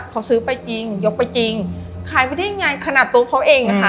เขาซื้อไปจริงยกไปจริงขายไปได้ไงขนาดตัวเขาเองอะค่ะ